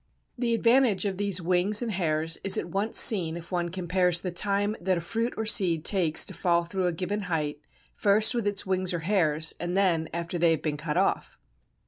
The advantage of these wings and hairs is at once seen if one compares the time that a fruit or seed takes to fall through a given height, first with its wings or hairs, and then after they have been cut off.